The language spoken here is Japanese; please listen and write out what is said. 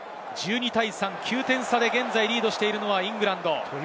９点差でリードしているのはイングランド。